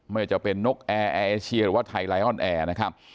ไม่ว่าจะเป็นนกแอร์แอร์เอเชียหรือว่าไทยไลออนแอร์นะครับ